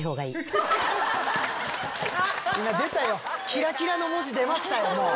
今出たよキラキラの文字出ましたよ。